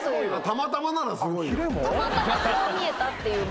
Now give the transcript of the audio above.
たまたまならすごいよ。